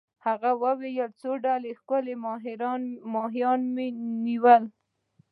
هغه وویل: څو ډوله ښکلي ماهیان مي نیولي.